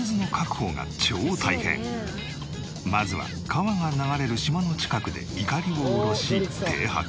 このまずは川が流れる島の近くでいかりを下ろし停泊。